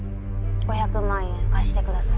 ５００万円貸してください。